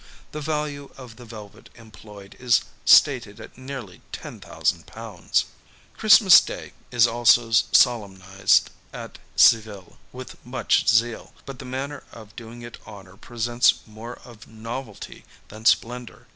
The value of the velvet employed, is stated at nearly ten thousand pounds. Christmas day is also solemnized at Seville, with much zeal; but the manner of doing it honour presents more of novelty than splendour.